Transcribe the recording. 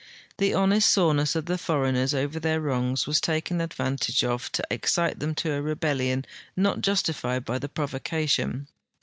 The honest sorene.ss of the foreigners over their wrongs was taken advantage of to excite them to a rebellion not justified b}^ the provocation.